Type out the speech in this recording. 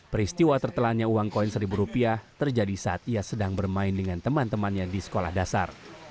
peristiwa tertelannya uang koin seribu rupiah terjadi saat ia sedang bermain dengan teman temannya di sekolah dasar